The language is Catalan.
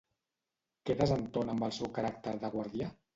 Què desentona amb el seu caràcter de guardià?